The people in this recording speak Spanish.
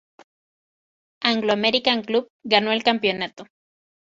Anglo-American Club ganó el campeonato.